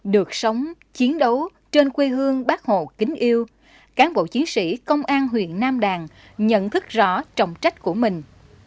được sống chiến đấu trên quê hương bác hồ kính yêu cán bộ chiến sĩ công an huyện nam đàn nhận thức rõ trọng trách của mình